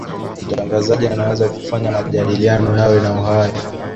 mtangazaji anaweza kufanya majadiliano yawe na uhai